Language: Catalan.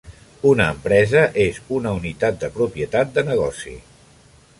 Una empresa és una unitat de propietat de negoci.